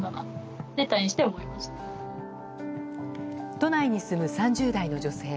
都内に住む３０代の女性。